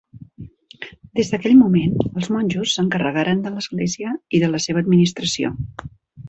Des d'aquell moment, els monjos s'encarregaren de l'església i de la seva administració.